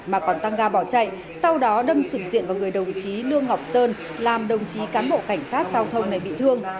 mà còn tăng ga bỏ chạy sau đó đâm trực diện vào người đồng chí đương ngọc sơn làm đồng chí cán bộ cảnh sát giao thông này bị thương